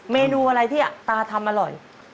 เมนูอะไรที่ตาทำอร่อย